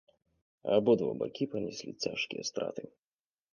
Абодва бакі панеслі цяжкія страты.